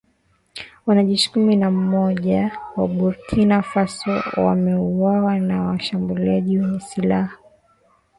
Wanajeshi kumi na mmoja wa Burkina Faso wameuawa na washambuliaji wenye silaha